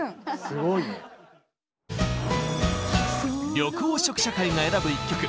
緑黄色社会が選ぶ一曲。